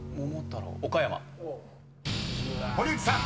［堀内さん］